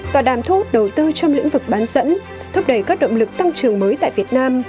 tòa đàm thu hút đầu tư trong lĩnh vực bán dẫn thúc đẩy các động lực tăng trưởng mới tại việt nam